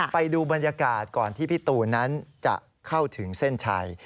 ไปดูบรรยากาศก่อนที่พี่ตูนนั้นจะเข้าถึงเส้นชัย